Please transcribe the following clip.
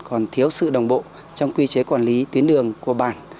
còn thiếu sự đồng bộ trong quy chế quản lý tuyến đường của bản